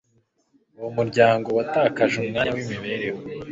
Uwo muryango watakaje umwanya wimibereho